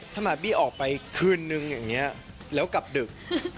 ถ้ามาร์บี้ออกไปคืนนึงอย่างนี้แล้วกลับดึก